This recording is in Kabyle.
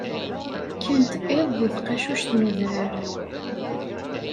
Kkant iḍ deg tqacuct n udrar.